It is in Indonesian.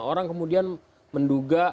orang kemudian menduga